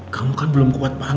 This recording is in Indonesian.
kamu kan belum kuat banget dong